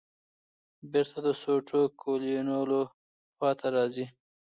بېرته د سوټو کولونیلو خواته راځې.